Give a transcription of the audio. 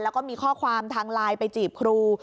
แล้วก็มีข้อความทางไลน์ไปจีบครู